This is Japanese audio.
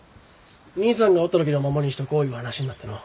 兄さんがおった時のままにしとこういう話になってのう。